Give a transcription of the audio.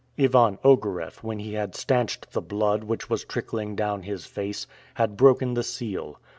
Ivan Ogareff, when he had stanched the blood which was trickling down his face, had broken the seal.